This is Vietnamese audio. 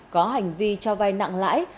có hành vi cho vai nặng lãi